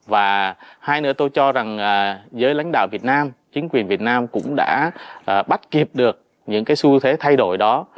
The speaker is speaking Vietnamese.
và hai nữa tôi cho rằng giới lãnh đạo việt nam chính quyền việt nam cũng đã bắt kịp được những cái xu thế thay đổi đó